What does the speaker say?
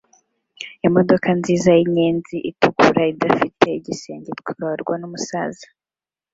Imodoka nziza yinyenzi itukura idafite igisenge itwarwa numusaza